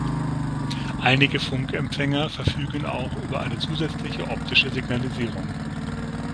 Einige Funk-Empfänger verfügen auch über eine zusätzliche optische Signalisierung.